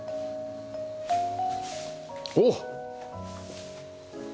おっ！